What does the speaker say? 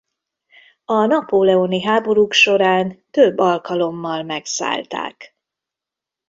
A napóleoni háborúk során több alkalommal megszállták.